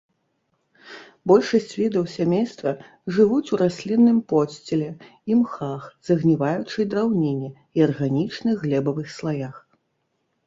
Большасць відаў сямейства жывуць у раслінным подсціле, імхах, загніваючай драўніне і арганічных глебавых слаях.